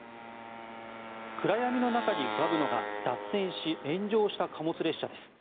暗闇の中に浮かぶのが脱線し、炎上した貨物列車です。